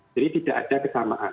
jadi tidak ada kesamaan